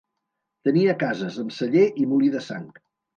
Tenia cases, amb celler i molí de sang.